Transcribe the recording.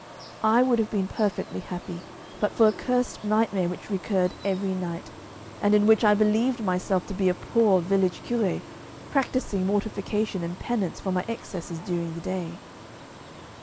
I would have been perfectly happy but for a cursed nightmare which recurred every night, and in which I believed myself to be a poor village curé, practising mortification and penance for my excesses during the day.